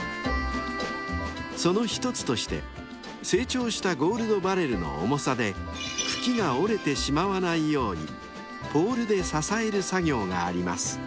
［その一つとして成長したゴールドバレルの重さで茎が折れてしまわないようにポールで支える作業があります］